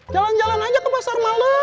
jalan jalan aja ke pasar malam